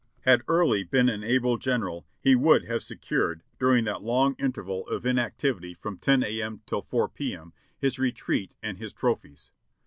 "Had Early been an able general he would have secured, during that long interval of inactivity from 10 a. m. till 4 p. m., his retreat and his trophies.